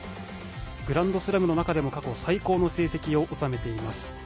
グランドスラムの中でも過去最高の成績を収めています。